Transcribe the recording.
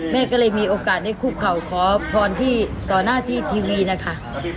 แม่ก็เลยมีโอกาสได้คุกเข่าขอพรที่ต่อหน้าที่ทีวีนะคะ